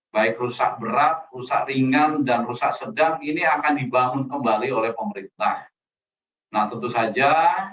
baik rusak berat rusak ringan dan rusak sedang ini akan dibangun kembali oleh pemerintah nah tentu saja